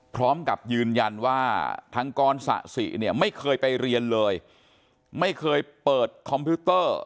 พร้อมกับยืนยันว่าทางกรสะสิเนี่ยไม่เคยไปเรียนเลยไม่เคยเปิดคอมพิวเตอร์